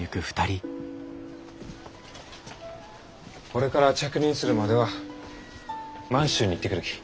これから着任するまでは満州に行ってくるき。